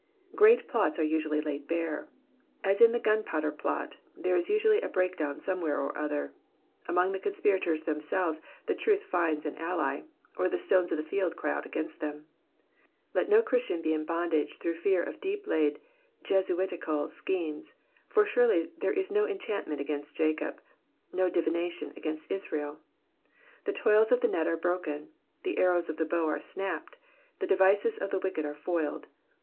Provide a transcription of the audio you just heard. Great plots are usually laid bare. As in the Gunpowder Plot, there is usually a breakdown somewhere or other ; Digitized by VjOOQIC 154 EXPOSITIONS OF THE PSALMS. among the conspirators themselves truth finds an ally, or the stones of the field cry out iigainst them. Let no Christian be in bondage through fear of deep laid Jesuitical schemes, for surely there is no enchantment against Jacob, nor divination against Israel ; the toils of the net are broken, the arrows of the bow are snapped, the devices of the wicked are foiled.